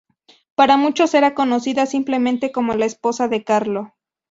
Para muchos era conocida simplemente como "la esposa de Carlo".